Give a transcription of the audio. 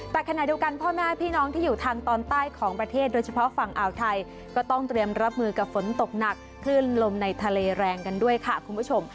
แต่ขณะเดียวกันพ่อแม่พี่น้องที่อยู่ทางตอนใต้ของประเทศโดยเฉพาะฝั่งอ่าวไทยก็ต้องเตรียมรับมือกับฝนตกหนักคลื่นลมในทะเลแรงกันด้วยค่ะคุณผู้ชม